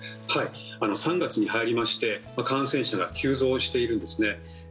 ３月に入りまして感染者が急増しているんですね